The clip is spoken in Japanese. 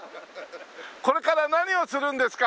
これから何をするんですか？